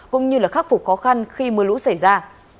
cũng như khắc phục khó khăn khi mưa lũ xảy ra